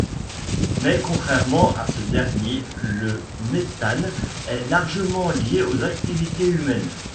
Mais contrairement à ce dernier le méthane est largement lié aux activités humaines.